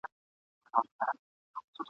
چي حملې نه له پردیو وي نه خپلو ..